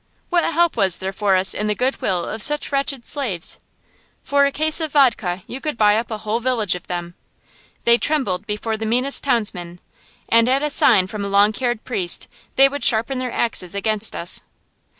What help was there for us in the good will of such wretched slaves? For a cask of vodka you could buy up a whole village of them. They trembled before the meanest townsman, and at a sign from a long haired priest they would sharpen their axes against us.